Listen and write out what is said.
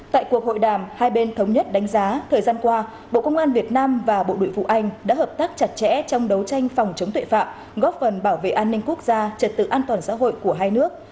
tại cuộc hội đàm hai bên thống nhất đánh giá thời gian qua bộ công an việt nam và bộ nội vụ anh đã hợp tác chặt chẽ trong đấu tranh phòng chống tội phạm góp phần bảo vệ an ninh quốc gia trật tự an toàn xã hội của hai nước